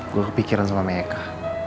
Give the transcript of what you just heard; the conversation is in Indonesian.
gue kepikiran sama meka